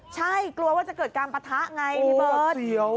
ใช่กลัวว่าจะเกิดการปะทะไงพี่เบิร์ตเสียว